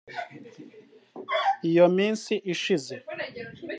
Iyo minsi ishize